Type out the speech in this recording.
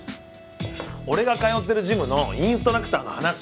俺が通ってるジムのインストラクターの話。